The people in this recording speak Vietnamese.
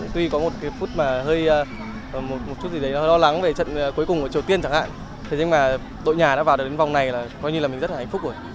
tuy có một phút mà hơi lo lắng về trận cuối cùng của triều tiên chẳng hạn nhưng mà đội nhà đã vào đến vòng này là coi như là mình rất là hạnh phúc rồi